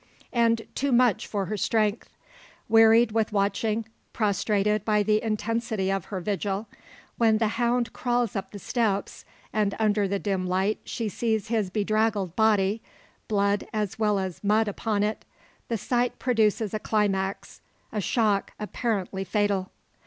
And too much for her strength. Wearied with watching, prostrated by the intensity of her vigil, when the hound crawls up the steps, and under the dim light she sees his bedraggled body blood as well as mud upon it the sight produces a climax a shock apparently fatal.